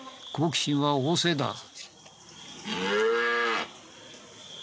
好奇心は旺盛だ。